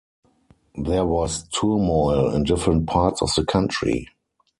There was turmoil in different parts of the country.